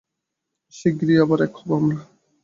শিগগিরই আবার এক হবো আমরা।